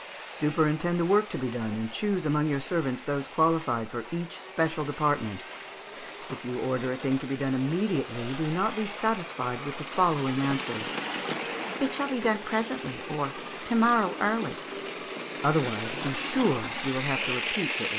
"Superintend the work to be done; and choose among your servants those qualified for each special department. If you order a thing to be done immediately, do not be satisfied with the following answers: 'It shall be done presently, or to morrow early;' otherwise, be sure that you will have to repeat your orders."